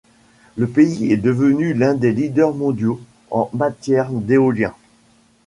Le pays est devenu l’un des leaders mondiaux en matière d’éolien.